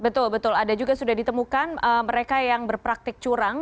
betul betul ada juga sudah ditemukan mereka yang berpraktik curang